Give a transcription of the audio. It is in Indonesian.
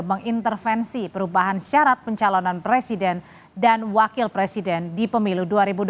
mengintervensi perubahan syarat pencalonan presiden dan wakil presiden di pemilu dua ribu dua puluh